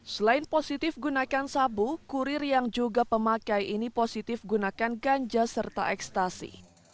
selain positif gunakan sabu kurir yang juga pemakai ini positif gunakan ganja serta ekstasi